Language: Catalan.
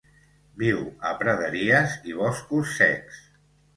Viu a praderies i boscos secs.